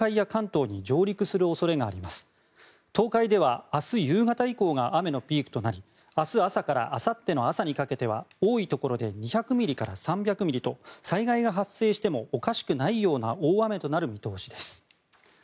東海では明日夕方以降が雨のピークとなり明日朝からあさっての朝にかけては多いところで２００ミリから３００ミリと災害が発生してもおかしくないような大雨となる見通しです。